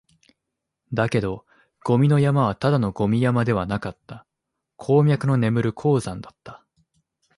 だけど、ゴミの山はただのゴミ山ではなかった、鉱脈の眠る鉱山だった